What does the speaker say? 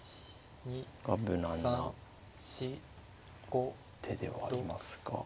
無難な手ではありますが。